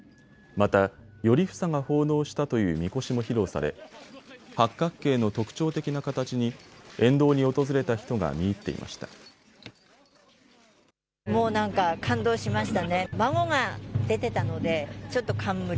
また、頼房が奉納したというみこしも披露され八角形の特徴的な形に沿道に訪れた人が見入っていました。